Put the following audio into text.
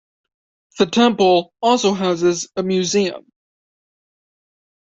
The temple also houses a museum.